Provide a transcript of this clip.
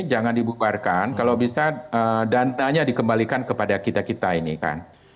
jangan dibubarkan kalau bisa dananya dikembalikan kepada kita kita ini kan